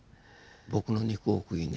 僕の肉を食いね